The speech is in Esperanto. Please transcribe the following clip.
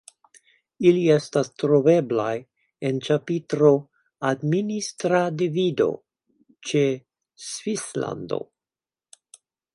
Ili estas troveblaj en ĉapitro "Administra divido" ĉe "Svislando".